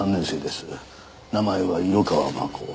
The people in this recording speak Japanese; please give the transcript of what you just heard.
名前は色川真子。